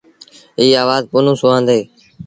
ايٚ آوآز پنهون سُوآندي۔